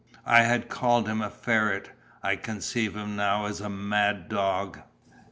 I had called him a ferret; I conceived him now as a mad dog.